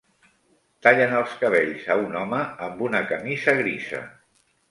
Tallen els cabells a un home amb una camisa grisa.